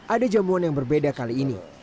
ada jamuan yang berbeda kali ini